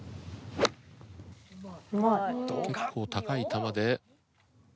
結構高い球で。